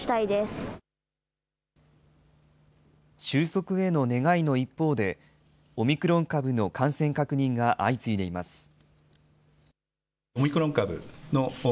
収束への願いの一方で、オミクロン株の感染確認が相次いでいます。